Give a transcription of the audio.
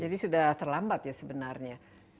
jadi sudah terlambat ya sebenarnya